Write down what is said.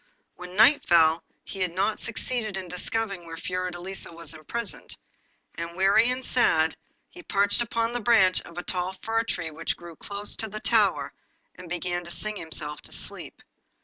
When night fell he had not succeeded in discovering where Fiordelisa was imprisoned, and, weary and sad, he perched upon a branch of a tall fir tree which grew close to the tower, and began to sing himself to sleep.